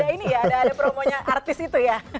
ini ya ada promonya artis itu ya